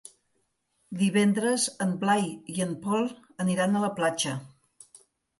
Divendres en Blai i en Pol aniran a la platja.